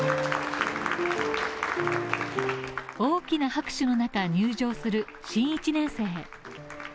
大きな拍手の中、入場する新１年生。